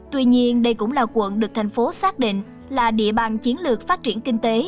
tuy nhiên đây cũng là quận được thành phố xác định là địa bàn chiến lược phát triển kinh tế